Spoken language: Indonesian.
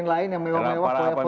sama rumah tangga